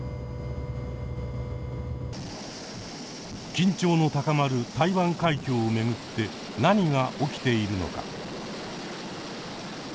緊張の高まる台湾海峡を巡って何が起きているのか。